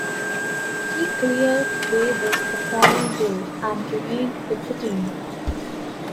He cleared waivers the following day and remained with the team.